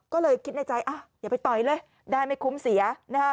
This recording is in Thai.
ก็เลยคิดในใจอย่าไปต่อยเลยได้ไม่คุ้มเสีย